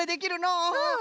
うん。